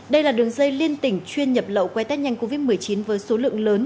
đây là đường dây liên tỉnh chuyên nhập lậu qua tết nhanh covid một mươi chín với số lượng lớn